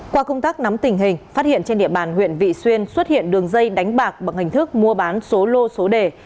qua công tác nắm tình hình phát hiện trên địa bàn huyện vị xuyên xuất hiện đường dây đánh bạc bằng hình thức mua bán số lô số đề